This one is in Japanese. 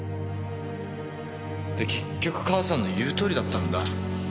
で結局母さんの言うとおりだったんだ。